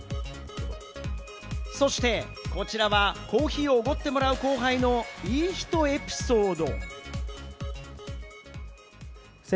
そしてこちらはコーヒーをおごってもらう後輩のいい人エピソード。